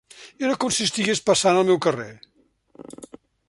Era com si estigués passant al meu carrer.